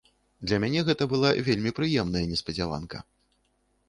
Для мяне гэта была вельмі прыемная неспадзяванка.